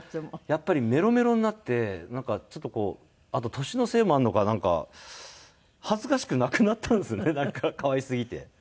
やっぱりメロメロになってなんかちょっとこうあと年のせいもあるのかなんか恥ずかしくなくなったんですよね可愛すぎて。